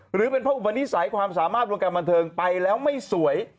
หรือเป็นเพราะอุปนิสัยความสามารถวงการบันเทิงไปแล้วไม่สวย